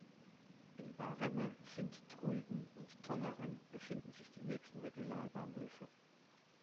In Waremme, Sint-Truiden und Tongeren befinden sich die nächsten Regionalbahnhöfe.